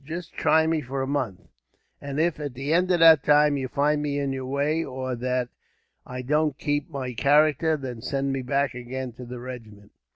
Just try me for a month, and if, at the end of that time, you find me in your way; or that I don't keep my character, then send me back agin to the regiment."